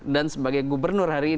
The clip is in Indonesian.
dan sebagai gubernur hari ini